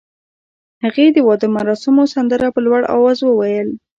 هغې د واده مراسمو سندره په لوړ اواز وویل.